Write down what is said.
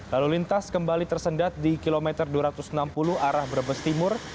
lalu lintas kembali tersendat di kilometer dua ratus enam puluh arah brebes timur